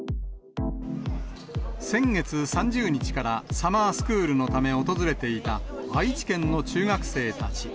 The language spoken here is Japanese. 先月３０日からサマースクールのため訪れていた愛知県の中学生たち。